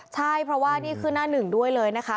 ใช่เพราะว่านี่คือหน้าหนึ่งด้วยเลยนะคะ